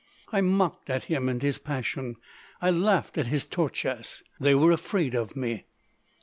—I mocked at him and his passion. I laughed at his Tchortchas. They were afraid of me!